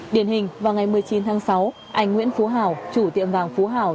điển hình vào ngày một mươi chín tháng sáu anh nguyễn phú hào chủ tiệm vàng phú hảo